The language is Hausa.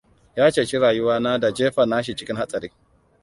Ya ceci rayuwa na da jefa nashi cikin hatsari.